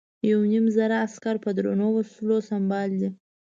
یو نیم زره عسکر په درنو وسلو سمبال دي.